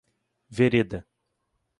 Vereda